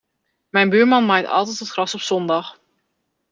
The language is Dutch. Mijn buurman maait altijd het gras op zondag.